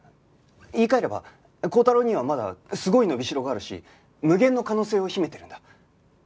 言い換えれば高太郎にはまだすごい伸びしろがあるし無限の可能性を秘めてるんだ。